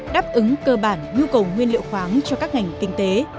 đáp ứng cơ bản nhu cầu nguyên liệu khoáng cho các ngành kinh tế